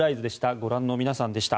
ご覧の皆さんでした。